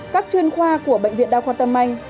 các chuyên khoa của bệnh viện đa khoa tân manh